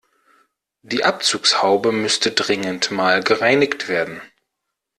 Die Abzugshaube müsste dringend mal gereinigt werden.